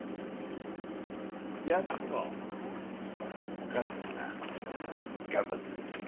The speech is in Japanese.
お母さんがな頑張ってくれたぞ。